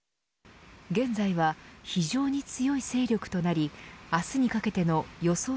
現在は非常に強い勢力となり明日にかけての予想